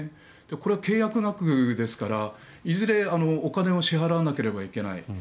これは契約額ですからいずれお金を支払わなければいけない。